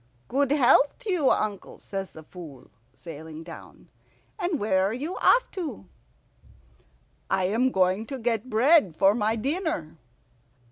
"Good health to you, uncle," says the Fool, sailing down. "And where are you off to?" "I am going to get bread for my dinner."